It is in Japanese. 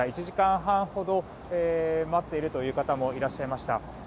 １時間半ほど待っている方もいらっしゃいました。